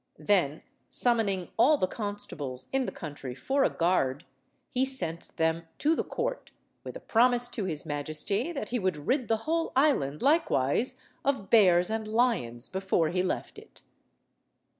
Then, summoning all the constables in the country for a guard, he sent them to the court, with a promise to his majesty that he would rid the whole island likewise of bears and lions before he left it.